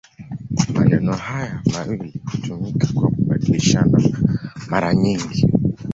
Maneno haya mawili hutumika kwa kubadilishana mara nyingi.